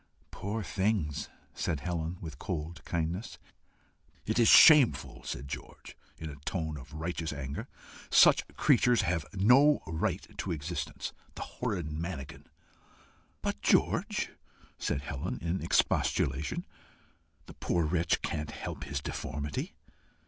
"Poor things!" said Helen, with cold kindness. "It is shameful!" said George, in a tone of righteous anger. "Such creatures have no right to existence. The horrid manakin!" "But, George!" said Helen, in expostulation, "the poor wretch can't help his deformity."